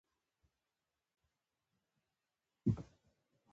پرون د څه وکړل؟